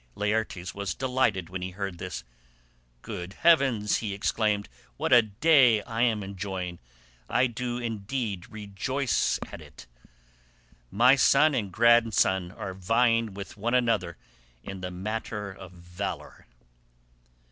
Laertes was delighted when he heard this. "Good heavens," he exclaimed, "what a day I am enjoying: I do indeed rejoice at it. My son and grandson are vying with one another in the matter of valour."